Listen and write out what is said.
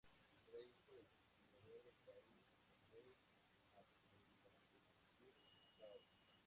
Era hijo del fundador del país, el rey Abdulaziz bin Saúd.